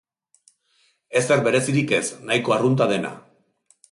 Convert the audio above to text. Ezer berezirik ez, nahiko arrunta dena.